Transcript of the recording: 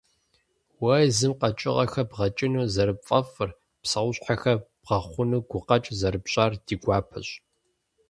Уэ езым къэкӀыгъэхэр бгъэкӀыну зэрыпфӀэфӀыр, псэущхьэхэр бгъэхъуну гукъэкӀ зэрыпщӀар ди гуапэщ.